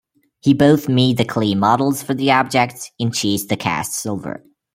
He both made the clay models for the objects, and chased the cast silver.